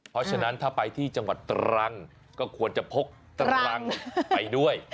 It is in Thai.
เพราะฉะนั้นถ้าไปที่จังหวัดตรังก็ควรจะพกตรังไปด้วย